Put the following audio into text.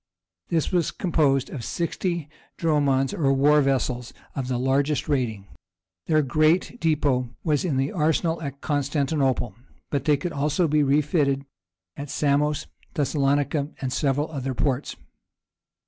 This was composed of sixty "dromonds," or war vessels of the largest rating; their great depôt was in the arsenal at Constantinople, but they could also be refitted at Samos, Thessalonica, and several other ports.